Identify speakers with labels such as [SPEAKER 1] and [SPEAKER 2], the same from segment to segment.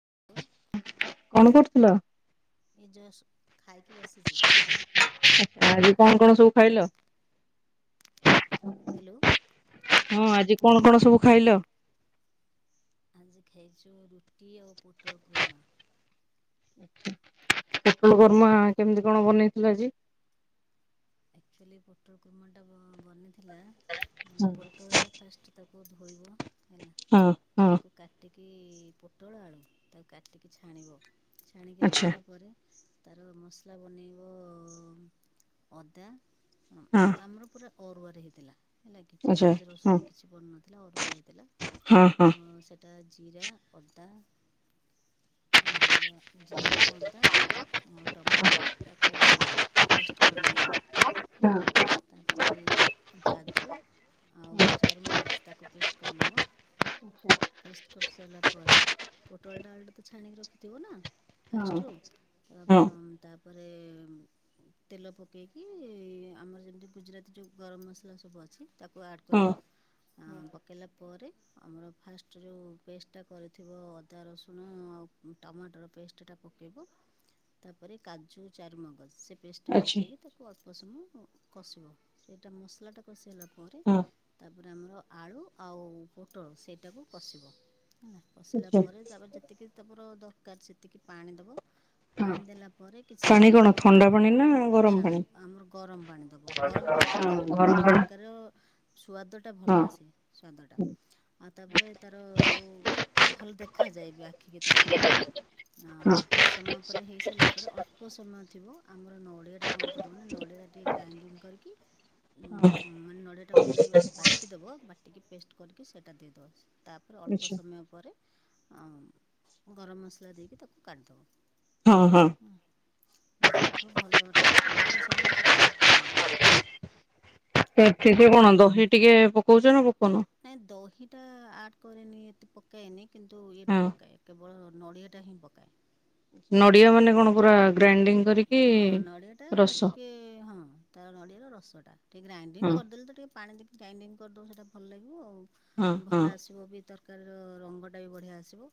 [SPEAKER 1] [inaudible] କଣ କରୁଥିଲ?
[SPEAKER 2] ଏଇ ଯଷ୍ଟ ଖାଇକି ବସିଛି।
[SPEAKER 1] ଆଜି କଣ, କଣ ସବୁ ଖାଇଲ?
[SPEAKER 2] ହ୍ୟାଲୋ
[SPEAKER 1] ହଁ ଆଜି କଣ କଣ ସବୁ ଖାଇଲ?
[SPEAKER 2] ଆଜି ଖାଇଛୁ ରୁଟି ଆଉ ପୋଟଳ କୁର୍ମା।
[SPEAKER 1] ପୋଟଳ କୁର୍ମା କେମିତି କଣ ବନେଇଥିଲ ଆଜି?
[SPEAKER 2] ଆକ୍ଚୁଆଲି ପୋଟଳ କୁର୍ମାଟା ବ ବନିଥିଲା ମାନେ ପୋଟଳଟା ଫାଷ୍ଟ ତାକୁ ଧୋଇବ
[SPEAKER 1] ହଁ, ହ।
[SPEAKER 2] କି, ପୋଟଳ ଆଳୁ ତାକୁ କାଟିକି ଛାଣିବ। ଛାଣିକି
[SPEAKER 1] ଆଚ୍ଛା
[SPEAKER 2] ରଖିଲା ପରେ ତାର ମସଲା ବନେଇବ, ଅଦା
[SPEAKER 1] ହଁ
[SPEAKER 2] ଆମର ପୁରା ଅରୁଆରେ ହେଇଥିଲା। ହେଲା କି
[SPEAKER 1] ଆଚ୍ଛା
[SPEAKER 2] ପିଆଜ
[SPEAKER 1] ହଁ
[SPEAKER 2] ରସୁଣ କିଛି ପଡ଼ିନଥିଲା ଅରୁଆ ହେଇଥିଲା
[SPEAKER 1] ହଁ
[SPEAKER 2] ତ
[SPEAKER 1] ହଁ।
[SPEAKER 2] ସେଟା ଜିରା, ଅଦା, ଜିରା ଅଦା। ଟମାଟୋ ତାକୁ ପେଷ୍ଟ କରିନବ
[SPEAKER 1] ହଁ [unintelligible]
[SPEAKER 2] ତାପରେ କାଜୁ ଆଉ ଚାରୁମଗଜ ତାକୁ ପେଷ୍ଟ କରିନବ
[SPEAKER 1] [inaudible]
[SPEAKER 2] କରି ସାରିଲା ପରେ, ପୋଟଳଟା ଆଳୁ ଟା ତ ଛାଣିକି ରଖିଥିବ ନା
[SPEAKER 1] ହଁ
[SPEAKER 2] ଫାଷ୍ଟରୁ
[SPEAKER 1] ହଁ
[SPEAKER 2] ତାପରେ ତେଲ ପକେଇକି କି ଆମର ଯେମିତି ଗୁଜୁରାତି ଯେଉଁ ଗରମ ମସଲା ସବୁ ଅଛି। ତାକୁ ଆଡ଼୍
[SPEAKER 1] ହଁ
[SPEAKER 2] କରିବ, ପକେଇଲା ପରେ ଆମର ଫାଷ୍ଟ ଯେଉଁ ପେଷ୍ଟଟା କରିଥିବ ଅଦା ରସୁଣ ଆଉ ଟମାଟର ପେଷ୍ଟଟା ପକ ତାପରେ କାଜୁ ଚାରୁମଗଜ ପେଷ୍ଟେ
[SPEAKER 1] ଆଚ୍ଛା
[SPEAKER 2] ପକାଇକି ତାକୁ ଅଳ୍ପ ସମୟ କଷିବ, ସେଇଟା ମସଲାଟା କଷିହେଲା ପରେ
[SPEAKER 1] ହଁ।
[SPEAKER 2] ତା ପରେ ଆମର ଆଳୁ ଆଉ ପୋଟଳ ସେଇଟାକୁ କଷିବ। କଷିଲା
[SPEAKER 1] ଆଚ୍ଛା
[SPEAKER 2] ପରେ ତାପରେ ଯେତିକି ତମର ଦରକାର, ସେତିକି ପାଣି ଦବ।
[SPEAKER 1] ହଁ।
[SPEAKER 2] ପାଣି ଦେଲା ପରେ କିଛି
[SPEAKER 1] ପାଣି
[SPEAKER 2] ସମୟ
[SPEAKER 1] କଣ
[SPEAKER 2] ପରେ
[SPEAKER 1] ଥଣ୍ଡା
[SPEAKER 2] ଆମର
[SPEAKER 1] ପାଣି
[SPEAKER 2] ନା,
[SPEAKER 1] ଗରମ
[SPEAKER 2] ନା,
[SPEAKER 1] ପାଣି?
[SPEAKER 2] ନା। ଆମର ଗରମ ପାଣି ଦବ ଗରମ ପାଣିଟା ଦେଲେ
[SPEAKER 1] ଗରମ
[SPEAKER 2] ଭଲ
[SPEAKER 1] ପାଣି
[SPEAKER 2] ତରକାରି ର ସୁଆଦ ଭଲ
[SPEAKER 1] ହଁ
[SPEAKER 2] ଆସେ। ସ୍ଵାଦ ଟା ଆଉ ତାପରେ ତାର ଯୋଉ ଭଲ ଦେଖାଯାଏ ବି ଆଖିିକି ତରକାରୀଟା। ଆଉ
[SPEAKER 1] ହଁ
[SPEAKER 2] କିଛି ସମୟ ପରେ ହେଇ ସାରିଲା ପରେ ଅଳ୍ପ ସମୟ ଥିବ, ଆମର ନଡ଼ିଆ କରିବୁ ନା ନଡିଆ ଟିକେ ଗ୍ରାଇଣ୍ଡିଙ୍ଗ କରିକି ବା ମାନେ ନଡ଼ିଆ ଟା ଭଲ କି ବାଟି ଦବ ବା ଟିକେ ପେଷ୍ଟ କରିକି ସେଇଟା ଦେଇଦେବ, ତା ପରେ ଅଳ୍ପ
[SPEAKER 1] ଆଚ୍ଛା।
[SPEAKER 2] ସମୟ ପରେ ଆ ଗରମ ମସଲା ଦେଇକି ତାକୁ କାଢ଼ିଦବ।
[SPEAKER 1] ହଁ ହଁ
[SPEAKER 2] ବାସ ଦେଖିବ ଭଲ ଟେଷ୍ଟ ରୁ ସାଙ୍ଗରେ ସେଇଟା ବହୁତ ଭଲ ଲାଗେ।
[SPEAKER 1] ସେ
[SPEAKER 2] ଆଉ
[SPEAKER 1] ସେ
[SPEAKER 2] ତମ
[SPEAKER 1] କଣ ଦହି ଟିକେ ପକଉଛ ନା। ପକଉନ?
[SPEAKER 2] ନାଇଁ ଦହିଟା ଆଡ କରେନି ଏତେ ପକାଏନି କିନ୍ତୁ ଇଏଟା
[SPEAKER 1] ହଁ
[SPEAKER 2] ପକାଏ କେ କେବଳ ନଡ଼ିଆଟା ହିଁ ପକାଏ।
[SPEAKER 1] ନଡ଼ିଆ ମାନେ କଣ ପୁରା ଗ୍ରାଇଣ୍ଡିଙ୍ଗ କରିକି
[SPEAKER 2] ହଁ ନଡ଼ିଆ ଟା
[SPEAKER 1] ରସ
[SPEAKER 2] ଟିକେ ହଁ ତା ନଡ଼ିଆର ରସଟା ଟିକେ ଗ୍ରାଇଣ୍ଡିଙ୍ଗ୍
[SPEAKER 1] ହଁ
[SPEAKER 2] କରିଦେଲେ ତ ଟିକେ ପାଣି ଗାଇଣ୍ଡିଙ୍ଗ କରିଦେବ ସେଇଟା ଭଲ ଲାଗିବ ଆଉ
[SPEAKER 1] ହଁ ହଁ
[SPEAKER 2] ଭଲ ଆସିବ ବି। ତରକାରୀର ରଙ୍ଗଟା ବି ବଢିଆ ଆସିବ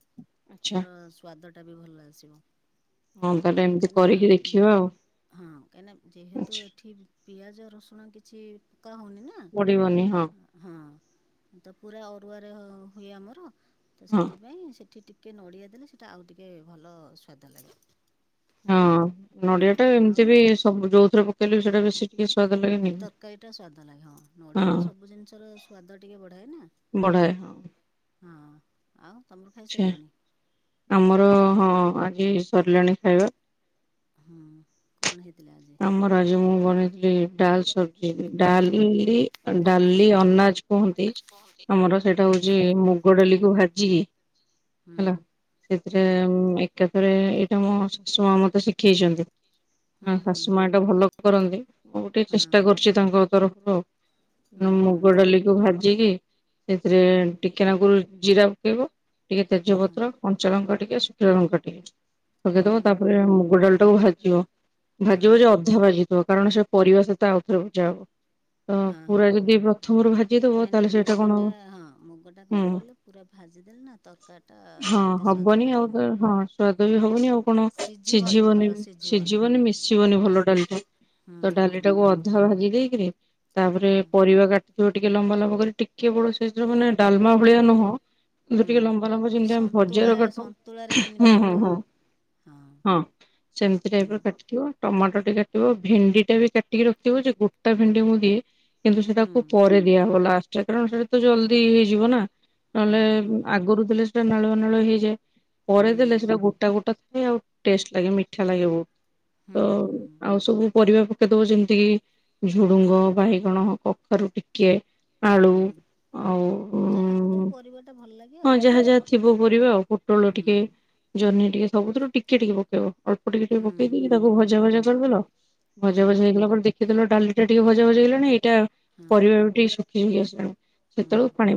[SPEAKER 1] ଆଚ୍ଛା
[SPEAKER 2] ଅ ସ୍ଵାଦଟା ବି ଭଲ ଆସିବ।
[SPEAKER 1] ହଁ ତା ଟାଇମ
[SPEAKER 2] କଁ ଆଁ ହଁ କାହିଁକନା ଯେହେତୁ
[SPEAKER 1] ଆଛା।
[SPEAKER 2] ଏଠି ପିଆଜ ରସୁଣ କିଛି ପକା ହଉନି ନା
[SPEAKER 1] ପଡିବନି ହଁ
[SPEAKER 2] ହଁ ତ ପୁରା ଅରୁଆରେ ଅ ହୁଏ ଆମର। ତ
[SPEAKER 1] ହଁ
[SPEAKER 2] ସେଥିପାଇଁ ସେଠି ଟିକେ ନଡିଆ ଦେଲେ ସେଟା ଆଉ ଟିକେ ଭଲ ସ୍ଵାଦ ଲାଗେ।
[SPEAKER 1] ହଁ ନଡିଆଟା
[SPEAKER 2] ଆଉ
[SPEAKER 1] ଏମିତି ବି ସବୁ ଯୋଉଥିରେ ପକେଇଲେ ବି ସେଇଟା ବେଶୀ ଟିକେ ସ୍ଵାଦ ଲାଗେନି କି?
[SPEAKER 2] ତରକାରୀ ଟା ସ୍ଵାଦ ଲାଗେ ହଁ
[SPEAKER 1] ହଁ
[SPEAKER 2] ନଡିଆଟା ସବୁ ଜିନିଷର ସ୍ଵାଦ ଟିକେ ବଢାଏ ନା।
[SPEAKER 1] ହଁ।
[SPEAKER 2] ଆଉ ତମର
[SPEAKER 1] ଆଛା
[SPEAKER 2] ଖାଇସାରିଲାଣି?
[SPEAKER 1] ଆମର ହଁ ଆଜି ସରିଲାଣି ଖାଇବା।
[SPEAKER 2] ହଁ କଣ ହେଇଥିଲା। ଆଜି?
[SPEAKER 1] ଆମର ଆଜି ମୁଁ ବନେଇଥିଲି ଡାଲ ସବଜି ଡାଲି ଇ ଡାଲି ଅନାଜ। କୁହନ୍ତି
[SPEAKER 2] ଆଜି କୁହନ୍ତି।
[SPEAKER 1] ଆମର ସେଇଟା ହଉଛି ମୁଗ
[SPEAKER 2] ହୁଁ
[SPEAKER 1] ଡାଲିକୁ ଭାଜି
[SPEAKER 2] ହଁ
[SPEAKER 1] ହେଲା ସେଥିରେ
[SPEAKER 2] ହଁ
[SPEAKER 1] ଆଉ ଏକା ରେ ଏଇଟା ମୋ ଶାଶୁମା ମତେ ଶିଖେଇଛନ୍ତି।
[SPEAKER 2] ହୁଁ। ହୁଁ
[SPEAKER 1] ଶାଶୁମା
[SPEAKER 2] ହୁଁ
[SPEAKER 1] ଏଟା ଭଲ କରନ୍ତି ମୁଁ ଗୋଟେ
[SPEAKER 2] ହଁ
[SPEAKER 1] ଚେଷ୍ଟା କରୁଛି ତାଙ୍କ ତରଫରୁ ଆଉ।
[SPEAKER 2] ହୁଁ ହୁଁ
[SPEAKER 1] ମୁଗ
[SPEAKER 2] ହୁଁ
[SPEAKER 1] ଡାଲିକୁ ଭାଜିକି ସେଥିରେ
[SPEAKER 2] ହୁଁ
[SPEAKER 1] ଟିକେନାକୁର ଜିରା ପକେଇବ ଟିକେ
[SPEAKER 2] ହୁଁ
[SPEAKER 1] ତେଜପତ୍ର କଞ୍ଚା ଲଙ୍କା ଟିକେ ଶୁଖିଲା ରଙ୍କା ଟିକେ।
[SPEAKER 2] ହୁଁ
[SPEAKER 1] ପକେଇ ଦବ
[SPEAKER 2] ହୁଁ ହୁଁ
[SPEAKER 1] ତାପରେ ମୁଗ ଡାଲିଟାକୁ ଭାଜିବ ଭାଜିବଯେ
[SPEAKER 2] ହଁ
[SPEAKER 1] ଅଧା ଭାଜିଥିବ। କାରଣ ସେ ପରିବା ସହିତ ଆଉଥରେ ଭଝା ହବ। ତ
[SPEAKER 2] ହଁ ହଁ
[SPEAKER 1] ପୁରା
[SPEAKER 2] ହଁ
[SPEAKER 1] ଯଦି ପ୍ରଥମରୁ ଭାଜିଦବ
[SPEAKER 2] ନାଇଁ
[SPEAKER 1] ତାହେଲେ
[SPEAKER 2] ନାଇଁ
[SPEAKER 1] ସେଇଟା କଣ
[SPEAKER 2] ମୁଗଟା
[SPEAKER 1] ହବ
[SPEAKER 2] ହଁ ମୁଗଟା କଣ
[SPEAKER 1] ହୁଁ
[SPEAKER 2] କହିଲ ପୁରା ଭା ସିଝିଦେଲେ ନା ତରକାରୀ ଟା
[SPEAKER 1] ହଁ
[SPEAKER 2] ଏତେ ସ୍ୱାଦ
[SPEAKER 1] ହବନି ଆଉ
[SPEAKER 2] ଲାଗେନି
[SPEAKER 1] ହଁ
[SPEAKER 2] ହଁ ସିଝିବନି।
[SPEAKER 1] ନି
[SPEAKER 2] ଭଲ ସିଝିବନି ହଁ
[SPEAKER 1] ସିଜିବନି ମିଶ ଆସିବନି ଭଲ ଡାଲିଟା
[SPEAKER 2] ହୁଁ
[SPEAKER 1] ତ ଡାଲି
[SPEAKER 2] ହୁଁ
[SPEAKER 1] ଟାକୁ
[SPEAKER 2] ହୁଁ
[SPEAKER 1] ଅଧା ଭାଜି ଦେଇକିରି ତାପରେ
[SPEAKER 2] ହଁ
[SPEAKER 1] ପରିବା କାଟି [unintelligible] ଟିକେ ଲମ୍ବା ଲମ୍ବା କରି ଟିକେ ବଡ ସାଇଜର ମାନେ ଡାଲମା ଭଳିଆ ନୁହଁ। ଟିକେ ଲମ୍ବା ଲମ୍ବା
[SPEAKER 2] ହୁଁ
[SPEAKER 1] ଯେମିତି ଆମେ ଭଜା
[SPEAKER 2] ସନ୍ତୁଳା
[SPEAKER 1] ର କାଟୁ
[SPEAKER 2] ସନ୍ତୁଳାରେ ଯେମିତି
[SPEAKER 1] ହୁଁ ହୁଁ
[SPEAKER 2] ହେଇଥାଏ
[SPEAKER 1] ହୁଁ। ହଁ ସେମିତି
[SPEAKER 2] ହୁଁ
[SPEAKER 1] ଟାଇପରେ କାଟିଥିବ। ଟମାଟ ଟିକେ କାଟିବ ଭେଣ୍ଡି ଟା ବି କାଟିକି ରଖିଥିବ ଯେ ଗୋଟା ଭେଣ୍ଡି ମୁଁ ଦିଏ। କିନ୍ତୁ
[SPEAKER 2] ହୁଁ
[SPEAKER 1] ସେଟାକୁ ପରେ ଦିଆହବ ଲାଷ୍ଟ କାରଣ ସେଟା ତ ଜଲଦି ହେଇଯିବ ନା।
[SPEAKER 2] ହଁ
[SPEAKER 1] ନହେଲେ
[SPEAKER 2] ହଁ
[SPEAKER 1] ଆଗରୁ ଦେଲେ ସେଟା ନାଳୁଆ ନାଳୁଆ ହେଇଯାଏ ପରେ
[SPEAKER 2] ହୁଁ
[SPEAKER 1] ଦେଲେ ସେଟା ଗୋଟା ଗୋଟା ଆଉ ଟେଷ୍ଟ ଲାଗେ ମିଠା ଲାଗେ ବହୁତ।
[SPEAKER 2] ହୁଁ
[SPEAKER 1] ତ
[SPEAKER 2] ହୁଁ
[SPEAKER 1] ଆଉ ସବୁ ପରିବା ପକେଇ ଦବ ଯେମିତିକି। ଝୁଡୁଙ୍ଗ ବାଇଗଣ କଖାରୁ ଟିକେ ଆଳୁ।
[SPEAKER 2] ହୁଁ
[SPEAKER 1] ଆଉ
[SPEAKER 2] ଯାହାକୁ ଯୋଉ ପରିବାଟା ଭଲ ଲାଗେ
[SPEAKER 1] ହଁ
[SPEAKER 2] ଆଉ
[SPEAKER 1] ଯାହା ଯାହା ଥିବ ପରିବା ଆଉ ପୋଟଳ
[SPEAKER 2] ହୁଁ।
[SPEAKER 1] ଟିକେ ଜହ୍ନି ଟିକେ ସବୁଥୁରୁ ଟିକେ ଟିକେ ପକେଇବ ଅଳ୍ପ ଟିକେ ଟିକେ
[SPEAKER 2] ହୁଁ
[SPEAKER 1] ପକେଇକି
[SPEAKER 2] ହୁଁ
[SPEAKER 1] ତାକୁ
[SPEAKER 2] ହୁଁ
[SPEAKER 1] ଭଜା
[SPEAKER 2] ହୁଁ
[SPEAKER 1] ଭଜା କରିଦେଲ ଭଜା
[SPEAKER 2] ହଁ
[SPEAKER 1] ଭଜି ହେଇଗଲା ପରେ ଦେଖିଦେଲ ଡାଲିଟା ଟିକେ ଭଜା ଭଜା ହେଇଲାଣି। ଏଟା
[SPEAKER 2] ହଁ
[SPEAKER 1] ପରିବା ବି ଟିକେ ଶୁଖିଶୁଖି ଆସିଲଣି।
[SPEAKER 2] ହୁଁ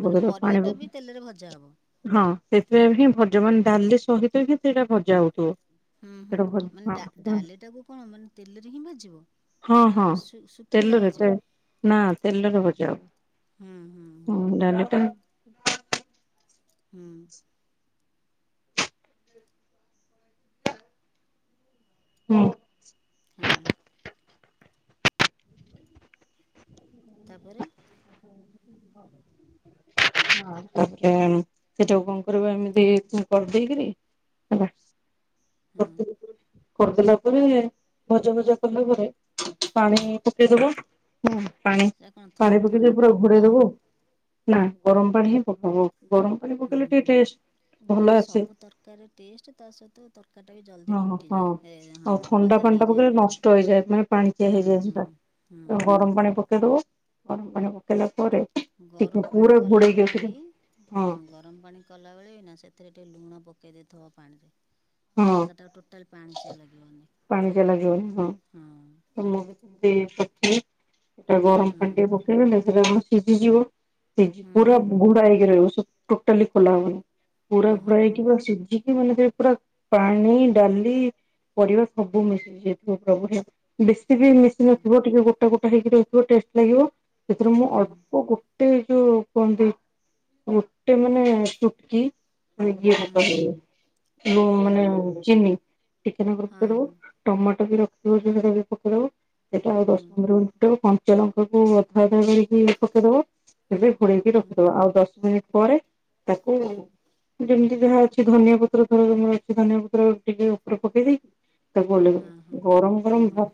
[SPEAKER 2] ମାନେ ପରିବା ଟା ବି ତେଲରେ ଭଜା ହବ।
[SPEAKER 1] ସେଥିପାଇଁ ହିଁ ଭଜ ମାନେ ଡାଲି ସହିତ ହିଁ ସେଟା ଭଜା ହଉଥିବ।
[SPEAKER 2] ହୁଁ ହୁଁ ମାନେ
[SPEAKER 1] ସେଇଟା
[SPEAKER 2] ଡା
[SPEAKER 1] ହଁ
[SPEAKER 2] ଡାଲିଟାକୁ କଣ ମାନେ ତେଲରେ ହିଁ ଭାଜିବ
[SPEAKER 1] ହଁ
[SPEAKER 2] ନା
[SPEAKER 1] ହଁ
[SPEAKER 2] ଶୁ-ଶୁଖିଲା
[SPEAKER 1] ତେଲରେ ତେ
[SPEAKER 2] ଭାଜିବ।
[SPEAKER 1] ନା ତେଲରେ ଭଜା
[SPEAKER 2] ହୁଁ ହୁଁ ହୁଁ
[SPEAKER 1] ହବ ହଁ ଡାଲିଟା।
[SPEAKER 2] ହୁଁ।
[SPEAKER 1] ହୁଁ।
[SPEAKER 2] ହଁ। ତାପରେ
[SPEAKER 1] [unintelligible] ତାପରେ ସେଟାକୁ କଣ କରିବ ଏମିତି କରି ଦେଇକରି ହବ।
[SPEAKER 2] ହୁଁ।
[SPEAKER 1] କରିଦେଲା ପରେ ଭଜା ଫଜା କଲା ପରେ ପାଣି ପକେଇଦବ। ପାଣି
[SPEAKER 2] ସେଟା କଣ ଥ
[SPEAKER 1] ପାଣି ପକେଇଦ
[SPEAKER 2] ଥଣ୍ଡା
[SPEAKER 1] ପୁରା
[SPEAKER 2] ପାଣି
[SPEAKER 1] ଘୋଡେଇ
[SPEAKER 2] ପକାହବ?
[SPEAKER 1] ଦବ ଆଉ। ନା ଗରମ ପାଣି ହଁ ପକବ ଗରମ ପାଣି ପକେଇଲେ ଟିକ ଟେଷ୍ଟ
[SPEAKER 2] ନାଇ
[SPEAKER 1] ଭଲ
[SPEAKER 2] ନାଇ
[SPEAKER 1] ଆସେ
[SPEAKER 2] ସବୁ ତରକାରୀ ଟେଷ୍ଟ ତା ସହିତ ତରକାର ଟା ବି ଜଲଦି
[SPEAKER 1] ହଁ ହଁ
[SPEAKER 2] ଫୁଟିଯାଏ ହଁ
[SPEAKER 1] ଆଉ ଥଣ୍ଡା
[SPEAKER 2] ଜଲଦି
[SPEAKER 1] ପାଣି ଟା ପକେଇଲେ ନଷ୍ଟ ହେଇଯାଏ ମାନେ ପାଣି ଚିଆ ହେଇଯାଏ
[SPEAKER 2] ହୁଁ
[SPEAKER 1] ସେଟା
[SPEAKER 2] ହୁଁ
[SPEAKER 1] ଗରମ ପାଣି ପକେଇଦବ। ଗରମ ପାଣି ପକେଇଲା ପରେ ଟିକେ
[SPEAKER 2] ଗରମ ପାଣି
[SPEAKER 1] ପୁରା ଘୋଡେଇକି
[SPEAKER 2] କଲାବେଳେ ବି
[SPEAKER 1] ରଖିଦବ
[SPEAKER 2] ହଁ ଗରମ ପାଣି କଲାବେଳେ ବି ନା ସେଥିରେ ଟିକେ ଲୁଣ ପକାଇ ଦେଇଥିବ ପାଣିରେ ତରକାରୀଟା ଟୋଟାଲ ପାଣି ଚିଆ ଲାଗିବନି।
[SPEAKER 1] ପାଣି ଚିଅ ଲାଗିବନି ହଁ ତ ମୁଁ ବି ସେମତି ପକେଇ ସେଟା ଗରମ
[SPEAKER 2] ହଁ
[SPEAKER 1] ପାଣି ଟିକେ ପକେଇଦେଲେ ସେଟା କଣ ସିଝିଯିବି
[SPEAKER 2] ହୁଁ
[SPEAKER 1] ପୁରା
[SPEAKER 2] ହୁଁ
[SPEAKER 1] ଘୁଡା ହେଇକି ରହିବ। ଟୋଟାଲି ଖୋଲା ହବନି ପୁରା
[SPEAKER 2] ହଁ
[SPEAKER 1] ଘୋଡ଼ା
[SPEAKER 2] ହଁ
[SPEAKER 1] ହେଇଥିବ ସିଝିକି ମାନେ ସେ ପୁରା ପାଣି ଡାଲି ପରିବା ସବୁ ମିଶ ଯିବ ପ୍ରଭୁହେ ବେଶ ବେଶିବି
[SPEAKER 2] ହଁ ହଁ
[SPEAKER 1] ମିଶିନଥିବ ଟିକେ ଗୋଟା ଗୋଟା ହେଇକି ରହିଥିବ ଟେଷ୍ଟ ଲାଗିବ ସେଥିରେ ମୁଁ
[SPEAKER 2] ହୁଁ
[SPEAKER 1] ଅଳ୍ପ ଗୋଟେ ଯଉ କୁହନ୍ତି ଗୋଟେ ମାନେ ଚୁଟକି ମାନେ ଇଏ
[SPEAKER 2] ହୁଁ
[SPEAKER 1] ହାତ ହେଇ ଯଉ
[SPEAKER 2] ହଁ
[SPEAKER 1] ମାନେ
[SPEAKER 2] ହଁ
[SPEAKER 1] ଚିନି ଟିକେ ନକୁରୁ
[SPEAKER 2] ହଁ
[SPEAKER 1] ପକେଇ
[SPEAKER 2] ହଁ
[SPEAKER 1] ଦବ
[SPEAKER 2] ହୁଁ
[SPEAKER 1] ଟମାଟୋ ବି ରଖ ତୁଳସି ଧାରାରେ ପକେଇ ଦବ ସେଟା ଆଉ ଦଶ ପନ୍ଦରିନିଟରେ କନ୍ କଞ୍ଚାଲଙ୍କା କୁ ଅଧା ଅଧା କରିକି ପକେଇଦବା ଏବେ ଘୋଳେଇକି
[SPEAKER 2] ହୁଁ
[SPEAKER 1] ରଖିଦବା ଆଉ ଦଶ ମିନିଟ ପରେ ତାକୁ ଯେମିତି ଯାହା ଅଛି ଧନିଆ ପତ୍ର କହିବମୋର ଅଛି ଧନିଆ ପତ୍ର ଟିକେ ଉପରେ ପକେଇ ଦେଇେଇକି ତାକୁ
[SPEAKER 2] ହଁ ହଁ
[SPEAKER 1] ଓଲେଇଦବ୍ ଗରମ ଗରମ ଭା
[SPEAKER 2] ହୁଁ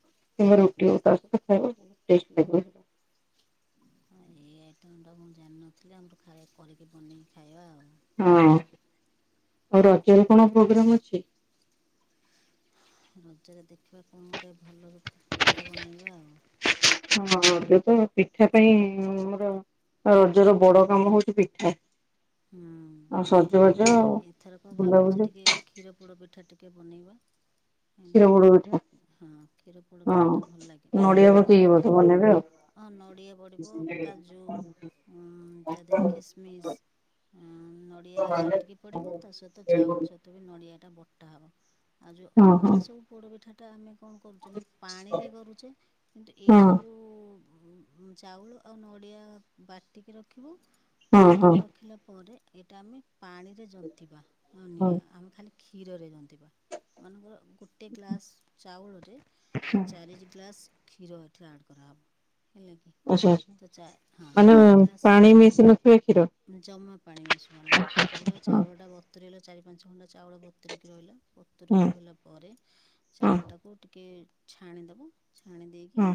[SPEAKER 1] କିମ୍ବା ରୁଟି ହୋଉ ତା ସହିତ ଖାଇବ ଟେଷ୍ଟ ଲାଗିବ ସେଟା।
[SPEAKER 2] ଏଇ ଆଇଟମ୍ଟା ମୁଁ ଜାନଥିଲି ଆମର ଖାଇ କରିକି ବନେଇକି ଖାଇବା ଆଉ।
[SPEAKER 1] ହଁ ଆଉ ରଜରେ କଣ ପ୍ରୋଗ୍ରାମ ଅଛି?
[SPEAKER 2] ନଚେତ୍ ଦେଖିବା କଣ ଗୋଟେ ଭଲ ର ପିଠା ବନେଇବା ଆଉ।
[SPEAKER 1] ହଁ ଏବେ ତ ପିଠା ପାଇଁ ଆମର ରଜର ବଡ କାମ ହଉଛି ପିଠା।
[SPEAKER 2] ହୁଁ
[SPEAKER 1] ଆଉ ସଜବାଜ
[SPEAKER 2] ନାଇଁ
[SPEAKER 1] ଆଉ।
[SPEAKER 2] ଏଥର କଣ ଭାବୁଛି
[SPEAKER 1] ବୁଲାବୁଲି
[SPEAKER 2] ଟିକେ କ୍ଷୀର ପୋଡ ପିଠା ଟିକେ କେ ବନେଇବା। ହେଲା
[SPEAKER 1] କ୍ଷୀର ପୋଡ ପିଠା।
[SPEAKER 2] ହଁ କ୍ଷୀର ପୋଡ ପିଠା ଟା ଭଲ ଲାଗେ
[SPEAKER 1] ହଁ ନଡିଆ
[SPEAKER 2] ବହୁତ
[SPEAKER 1] ପକେଇକି
[SPEAKER 2] ସ୍ୱାଦ
[SPEAKER 1] ବୋଧେ
[SPEAKER 2] ହ
[SPEAKER 1] ବନେଇବେ
[SPEAKER 2] ହଁ ନଡ଼ିଆ ପଡ଼ିବ କାଜୁ ତା ଦେହରେ
[SPEAKER 1] ଆଉ।
[SPEAKER 2] ଖିସମିସ୍ ନଡ଼ିଆ
[SPEAKER 1] ହଁ ହଁ
[SPEAKER 2] କାଟିକି ପଡ଼ିବ ତା ସହିତ
[SPEAKER 1] ହଁ
[SPEAKER 2] ଚାଉଳ ସହିତ ବି ନଡ଼ିଆଟା ବଟା ହେବ। ଆଉ ଯୋଉ
[SPEAKER 1] ହଁ
[SPEAKER 2] ଅଲଗା ସବୁ ପୋଡପିଠା ଟା ଆମେ କଣ କରୁଛେନ ପାଣି ରେ କରୁଛେ କିନ୍ତୁ ଏଇଟା ଯଉ ଉ ବୁ ଉଁ ଚାଉଳ ଆଉ ନଡ଼ିଆ ବାଟିକି ରଖିବ।
[SPEAKER 1] ହଁ ହଁ।
[SPEAKER 2] ତା ପରେ ଏଇଟା ଆମେ ପାଣିରେ ଜନ୍ତିବା।
[SPEAKER 1] ହଁ।
[SPEAKER 2] ନିଆଁ ଆମେ ଖାଲି କ୍ଷୀରରେ ଜନ୍ତିବା ମନେକର ଗୋଟେ ଗ୍ଲାସ ଚାଉଳରେ ଚାରି ଗ୍ଲାସ କ୍ଷୀର ଏଠି ଆଡ଼ କରାହେବ। ହେଲା କି
[SPEAKER 1] ଆଚ୍ଛା ଆଛା
[SPEAKER 2] ତ ଚା ହଁ
[SPEAKER 1] ମାନେ
[SPEAKER 2] ଚାରି ଗ୍ଲାସ୍
[SPEAKER 1] ପାଣି
[SPEAKER 2] କ୍ଷୀର
[SPEAKER 1] ମିସିି ନଥିବ ଖିର?
[SPEAKER 2] ଜମା ପାଣି ମିଶିବନି ପୁରା
[SPEAKER 1] ହଁ
[SPEAKER 2] ଚାଉଳ ଟା ବତୁରେଇଲ ଚାରି ପାଞ୍ଚ ଘଣ୍ଟା ଚାଉଳ ଭତୁୁରିକି ରହିଲା
[SPEAKER 1] ହଁ
[SPEAKER 2] ଭତୁୁରିକି ରହିଲା ପରେ
[SPEAKER 1] ହଁ
[SPEAKER 2] ଚାଉଳଟାକୁ ଟିକେ ଛାଣି ଦବୁ ଛାଣି ଦେଇକି
[SPEAKER 1] ହଁ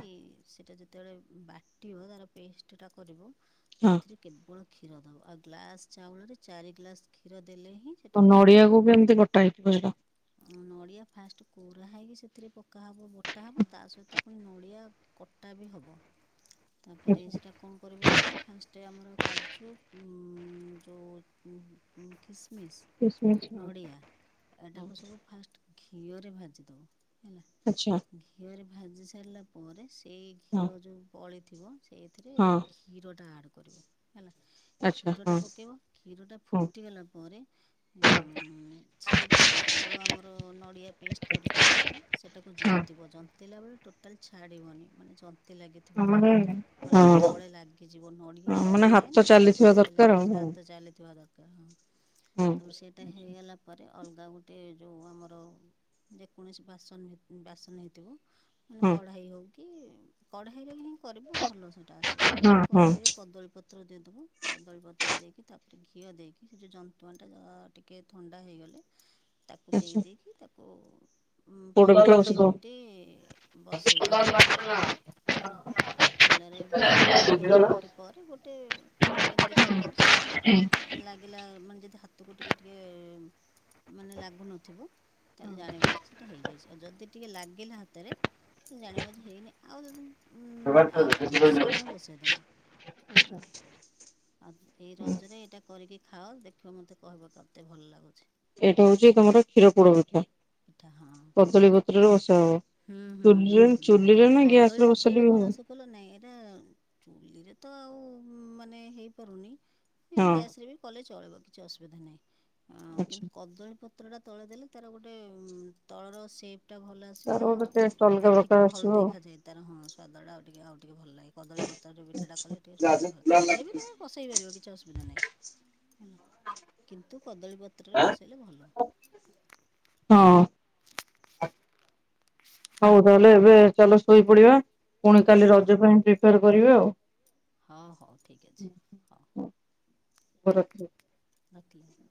[SPEAKER 2] ସେଇଟା ଯେ ତେବେଳେ ବାଟିବ ତାର ପେଷ୍ଟ ଟା କରିବ
[SPEAKER 1] ହଁ।
[SPEAKER 2] ସେଥିରେ କେବଳ କ୍ଷୀର ଦବ ଆଉ ଗ୍ଲାସ୍ ଚାଉଳରେ ଚାରି ଗ୍ଲାସ କ୍ଷୀର ଦେଲେ ହିଁ ସେଟା
[SPEAKER 1] ଆଉ
[SPEAKER 2] ଭଲ
[SPEAKER 1] ନଡିଆକୁ
[SPEAKER 2] ହବ
[SPEAKER 1] ବି ଏମିତି ବଟା ହେଇଥିବ ସେଟା
[SPEAKER 2] ନଡ଼ିଆ ଫାଷ୍ଟ କୋରା ହେଇକି ସେ ଥିରେ ପକା ହେବ ବଟା ହେବ ତା ସହିତ ପୁଣି ନଡ଼ିଆ କଟା ବି ହବ। ତାପରେ
[SPEAKER 1] ଆଚ୍ଛା।
[SPEAKER 2] ସେଇଟା କଣ କରିବ କହିଲ ଫାଷ୍ଟ ଆମର କାଜୁ ଉ ଯଉ ମ ମ ନ କିସ୍ ମିସ୍ ନଡ଼ିଆ ଏଟାକୁ ସବୁ ଫାଷ୍ଟ ଘିଅରେ ଭାଜି ଦେବୁ ହେଲା
[SPEAKER 1] ଆଚ୍ଛା
[SPEAKER 2] ଘିଅରେ ଭାଜି ସାରିଲା ପରେ ସେଇ
[SPEAKER 1] ହଁ
[SPEAKER 2] ଘିଅ ଜୋଉ ବଳିଥିବ ସେଇଥିରେ
[SPEAKER 1] ହଁ
[SPEAKER 2] କ୍ଷୀରଟା ଆଡ଼ କରିବ ହେଲା
[SPEAKER 1] ଆଚ୍ଛା
[SPEAKER 2] କ୍ଷୀରଟା
[SPEAKER 1] ହଁ
[SPEAKER 2] ପକେଇବ କ୍ଷୀରଟା
[SPEAKER 1] ହଁ
[SPEAKER 2] ଫୁଟିଗଲା ପରେ ମଁ ସେ ଯେଉଁ ଚାଉଳ ଆମର ନଡ଼ିଆ ପେଷ୍ଟ କରିକି ରଖିଥିବ ସେଇଟାକୁ
[SPEAKER 1] ହଁ।
[SPEAKER 2] ଜନ୍ତିବ ଜନ୍ତିଲା ଟୋଟାଲ ଛାଡିବନି ମାନେ ଜ ନ୍ତି ଲାଗିଥିବ ଲଗାତାର ନହେଲେ
[SPEAKER 1] ହଁ
[SPEAKER 2] ତଳେ ଲାଗିଯିବ ନଡିଆ
[SPEAKER 1] ହଁ
[SPEAKER 2] ଟା ଯୋଉ
[SPEAKER 1] ମାନେ
[SPEAKER 2] ଥାଏ
[SPEAKER 1] ହାତ
[SPEAKER 2] ନା ସେଟା
[SPEAKER 1] ଚାଲିଥିବା
[SPEAKER 2] ତଳେ
[SPEAKER 1] ଦରକାର ଆଉ
[SPEAKER 2] ଲାଗିଛି
[SPEAKER 1] ହଁ
[SPEAKER 2] ହାତ ଚାଲିଥିବା ଦରକାର ହଁ
[SPEAKER 1] ହଁ
[SPEAKER 2] ତାପରେ ସେଟା ହେଇଗଲା ପରେ ଅଲଗା ଗୋଟେ ଯେଉଁ ଆମର ଯେକୌଣସି ବାସନ ହେ ବାସନ ହେଇଥିବ ମାନେ
[SPEAKER 1] ହଁ
[SPEAKER 2] କଢାଇ ହଉ କି କଢାଇ ରେ ହିଁ କରିବ ଭଲ ସେଟା ଆସିବ ତୋର
[SPEAKER 1] ହଁ
[SPEAKER 2] କଢେଇରେ କଦଳୀ ପତ୍ର ଦେଇଦବୁ କଦଳୀପତ୍ର ଦେଇକି ତାପରେ ଘିଅ ଦେଇକି ସେ ଜୋଉ ଯନ୍ତୁଆଣିଟା ଯା ଟିକେ ଥଣ୍ଡା ହେଇଗଲେ ତାକୁ ଦେଇ
[SPEAKER 1] ଆଛା
[SPEAKER 2] ଦେଇକି ତାକୁ ଉଁ
[SPEAKER 1] ପୋଡ
[SPEAKER 2] ପନ୍ଦର
[SPEAKER 1] ପିଠା
[SPEAKER 2] କୋଡିଏ
[SPEAKER 1] ଔଷଧ
[SPEAKER 2] ମିନିଟ୍ ବସେଇବ ଚୁଲାରେ ହେଲା ଚୁଲାରେ ବସେଇକି କୋଡ଼ିଏ ମିନିଟ୍ ପରେ ଗୋଟେ ଖଡ଼ିକାରେ ଦେଖିବ ସେଇଟା ଲାଗିଲା ମାନେ ଯଦି ହାତକୁ ଟିକେ ଟିକେ ମାନେ ଲାଗୁନଥିବ ତାହେଲେ ଜାଣିବ ଯେ ସେଇଟା ହେଇଯାଇଚି ଆଉ ଯଦି ଟିକେ ଲାଗ ଗିଲା ହାତରେ ତ ଜାଣିବ ଯେ ହେଇନି ଆଉ ଯଦି ଉ ମ ଆଉ କିଛି ସମୟ ବସେଇଦବ
[SPEAKER 1] ଆଛା।
[SPEAKER 2] ଆଉ ଏଇ ରଜରେ ଏଇଟା କରିକି ଖାଅ ଦେଖିବ ମୋତେ କହିବ କେତେ ଭଲ ଲାଗୁଛି।
[SPEAKER 1] ଏଇଟା ହଉଛି ତମର କ୍ଷୀର ପୋଡ ପିଠା
[SPEAKER 2] ପିଠା ହଁ
[SPEAKER 1] କଦଳୀପତ୍ରରେ ବ
[SPEAKER 2] ହୁଁ ହୁଁ ହୁଁ ହୁଁ।
[SPEAKER 1] ନା ଗ୍ୟାସ
[SPEAKER 2] କଦଳୀ
[SPEAKER 1] ରେ ବସିଲେ
[SPEAKER 2] ପତ୍ରରେ
[SPEAKER 1] ବି
[SPEAKER 2] କଣ
[SPEAKER 1] ହବ
[SPEAKER 2] ଆସେ କହିଲ ନାଇଁ ଏଇଟା ଚୁଲିରେ ତ ଆଉ ମାନେ ହେଇପାରୁନି ଇ
[SPEAKER 1] ହଁ
[SPEAKER 2] ଗ୍ୟାସ ରେ ବି କଲେ ଚଳେଇବ କିଛି ଅସୁବିଧା ନାହିଁ ଆ
[SPEAKER 1] ଆଛା
[SPEAKER 2] କିନ୍ତୁ କଦଳୀ ପତ୍ର ଟା ତଳେ ଦେଲେ ତାର ଗୋଟେ ତଳର ସେପ୍ ଟା ଭଲ ଥିବୁ
[SPEAKER 1] ତାର
[SPEAKER 2] ଆଉ
[SPEAKER 1] ଗୋଟେ ଟେଷ୍ଟ ଅଲଗା
[SPEAKER 2] ଆଖିକି
[SPEAKER 1] ପ୍ରକାର
[SPEAKER 2] ଭଲ
[SPEAKER 1] ଆସିବ
[SPEAKER 2] ଦେଖାଯାଏ ତାର ହଁ ସ୍ୱାଦ ଟା ଆ ଟିକେ ଆଉ ଟିକେ ଭଲ ଲାଗେ କଦଳୀପତ୍ରରେ ପିଠାଟା କଲେ ଟିକେ ସ୍ୱାଦ ଭଲ ଖାଲିରେ ବି ତମେ ବସେଇ ପାରିବ କିଛି ଅସୁବିଧା ନାହିଁ। ହେଲା କିନ୍ତୁ କଦଳୀ ପତ୍ରରେ
[SPEAKER 1] ଆଉ
[SPEAKER 2] ବସେଇଲେ ଭଲ
[SPEAKER 1] ହଁ ହଉ ତାହେଲେ ଏବେ ଚାଲ ଶୋଇପଡିବା ପୁଣି କାଲି
[SPEAKER 2] ହଁ
[SPEAKER 1] ରଜ ପାଇଁ ପ୍ରିପାର କରିବା ଆଉ
[SPEAKER 2] ହଉ ହଉ ଠିକ ଅଛି ହଉ।
[SPEAKER 1] ରଖୁଚି
[SPEAKER 2] ରଖିଲି